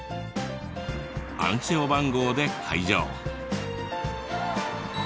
暗証番号で解錠。